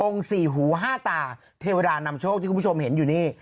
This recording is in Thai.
สี่หูห้าตาเทวดานำโชคที่คุณผู้ชมเห็นอยู่นี่